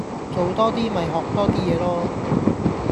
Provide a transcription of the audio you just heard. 做多啲咪學多啲野囉